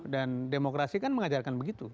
dan demokrasi kan mengajarkan begitu